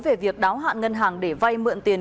về việc đáo hạn ngân hàng để vay mượn tiền